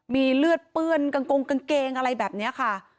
มีเลือดเปื้อนกางกงกางเกงอะไรแบบนี้ค่ะ